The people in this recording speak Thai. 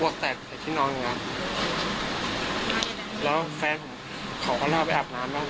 อวกแตกในที่นอนอย่างงี้แล้วแฟนผมเขาก็ลาไปอาบน้ำแล้ว